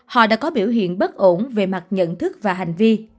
họ đã có biểu hiện bất ổn về mặt nhận thức và hành vi